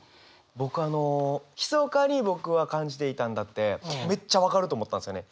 僕あの「ひそかに僕は感じていたんだ」ってめっちゃ分かると思ったんですよね。